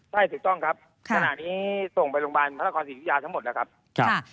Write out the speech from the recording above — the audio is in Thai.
ใช่ถูกต้องครับขณะนี้ส่งไปโรงพยาบาลพระราชกรศิริยาทั้งหมดนะครับค่ะ